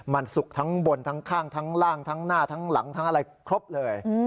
มันสุกทั้งบนทั้งข้างทั้งล่างทั้งหน้าทั้งหลังทั้งอะไรครบเลย